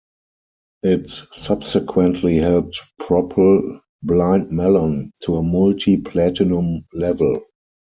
It subsequently helped propel "Blind Melon" to a multi-platinum level.